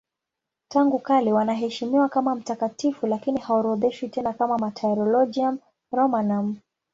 Tangu kale wanaheshimiwa kama mtakatifu lakini haorodheshwi tena na Martyrologium Romanum.